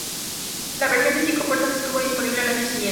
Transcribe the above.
La versión de cinco puertas estuvo disponible al año siguiente.